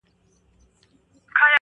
ما پرې لیکل وکړل